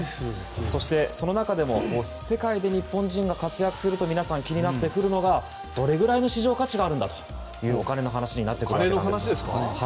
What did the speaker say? そして、その中でも世界で日本人が活躍すると気になってくるのがどれくらい市場価値があるかとお金の話になってきます。